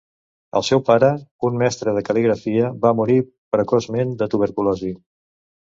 El seu pare, un mestre de cal·ligrafia, va morir precoçment de tuberculosi.